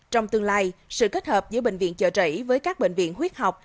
trong tương lai sự kết hợp giữa bệnh viện trợ đẩy với các bệnh viện huyết học